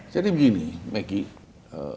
jadi begini maggie